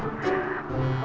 jadi sementara itu